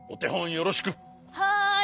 はい。